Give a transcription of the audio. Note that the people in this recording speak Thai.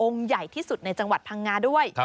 ใหญ่ที่สุดในจังหวัดพังงาด้วย